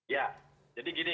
ya jadi gini